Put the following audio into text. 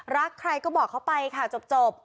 รักใครก็บอกเขาไปค่ะจบ